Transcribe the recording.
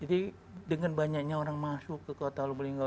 jadi dengan banyaknya orang masuk ke kota lubulingga